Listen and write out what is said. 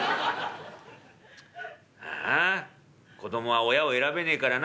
ああ子どもは親を選べねえからな。